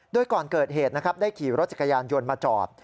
โดยก่อนเกิดเหตุนะครับได้ขี่รถจักรยานยนต์มาจอด